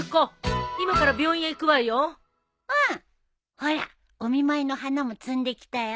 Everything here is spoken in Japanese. ほらお見舞いの花も摘んできたよ。